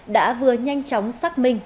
đã vừa nhanh chóng xác minh